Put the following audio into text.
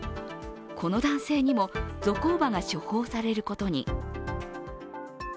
この男性にもゾコーバが処方されることに。